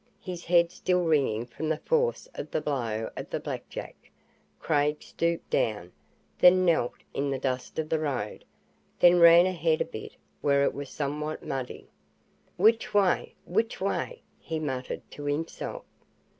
His head still ringing from the force of the blow of the blackjack, Craig stooped down, then knelt in the dust of the road, then ran ahead a bit where it was somewhat muddy. "Which way which way?" he muttered to himself.